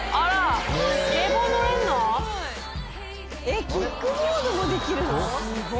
えっキックボードもできるの？